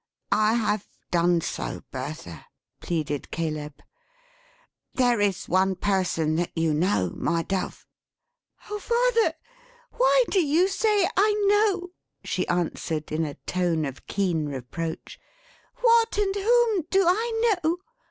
"I have done so, Bertha," pleaded Caleb. "There is one person that you know, my Dove " "Oh father! why do you say, I know?" she answered, in a tone of keen reproach. "What and whom do I know!